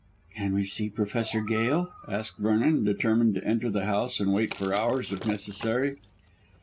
"Can we see Professor Gail?" asked Vernon, determined to enter the house and wait for hours if necessary.